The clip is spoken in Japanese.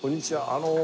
あの。